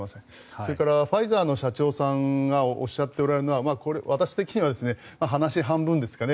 それからファイザーの社長さんがおっしゃっておられるのは私的には話半分ですかね